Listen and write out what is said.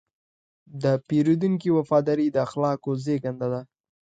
د پیرودونکي وفاداري د اخلاقو زېږنده ده.